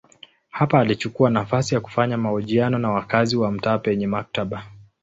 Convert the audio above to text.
Hapa alichukua nafasi ya kufanya mahojiano na wakazi wa mtaa penye maktaba.